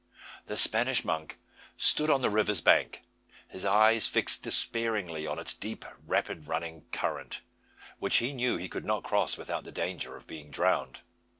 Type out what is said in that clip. The Spanish monk stood on the river's bank, his eyes fixed despairingly on its deep rapid running current, which he knew he could not cross without danger of being drowned.